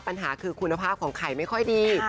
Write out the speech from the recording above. ปัญหาคือคุณภาพของไข่ไม่ค่อยดี